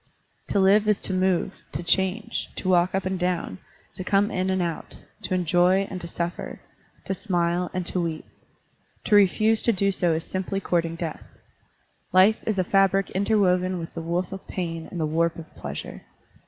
To live is to move, to change, to walk up and down, to come in and out, to enjoy and to suffer, to smile and to weep. To refuse to do so is simply cotirting death. Life is a fabric interwoven with the woof of pain and the warp of pleasure.